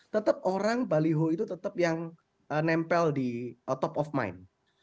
tetap orang baliho itu tetap yang nempel di top of mind